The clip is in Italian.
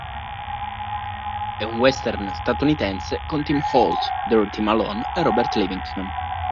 È un western statunitense con Tim Holt, Dorothy Malone e Robert Livingston.